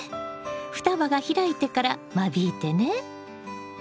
双葉が開いてから間引いてね。